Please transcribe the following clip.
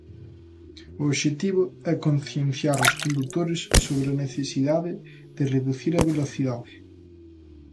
O obxectivo é concienciar os condutores sobre a necesidade de reducir a velocidade.